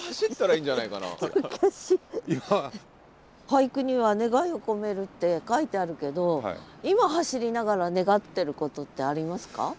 俳句には「願いを込める」って書いてあるけど今走りながら願ってることってありますか？